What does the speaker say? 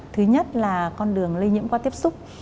thứ nhất là con đường lây nhiễm qua tiếp xúc